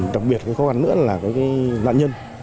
đặc biệt khó khăn nữa là nạn nhân